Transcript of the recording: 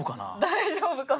大丈夫かな？